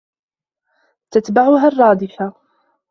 تَتبَعُهَا الرّادِفَةُ